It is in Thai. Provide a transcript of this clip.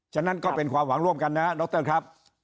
ฉะนั้นก็เป็นความหวังร่วมกันนะดรครับ